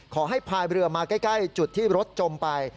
พายเรือมาใกล้จุดที่รถจมไป